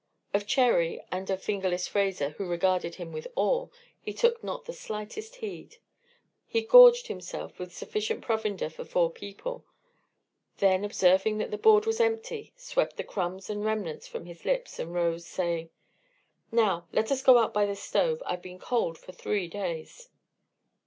Of Cherry and of "Fingerless" Fraser, who regarded him with awe, he took not the slightest heed. He gorged himself with sufficient provender for four people; then observing that the board was empty, swept the crumbs and remnants from his lips, and rose, saying: "Now, let's go out by the stove. I've been cold for three days."